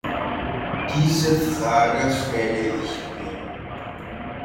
Diese Frage stelle ich mir.